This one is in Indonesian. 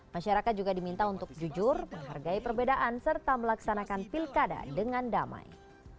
masyarakat juga diminta untuk jujur menghargai perbedaan serta melaksanakan pilkada dengan damai